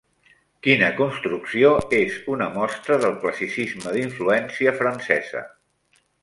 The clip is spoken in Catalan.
Quina construcció és una mostra del classicisme d'influència francesa?